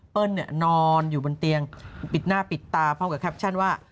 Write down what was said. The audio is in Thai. นอนอยู่บนเตียงปิดหน้าปิดตาพร้อมกับแคปชั่นว่า